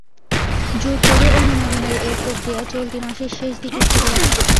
জোর করে অনুমোদনের এ প্রক্রিয়া চলতি মাসের শেষ দিকে শুরু হবে।